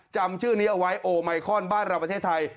จำชื่อนี้เอาไว้โอไมคอนบ้านเราประเทศไทย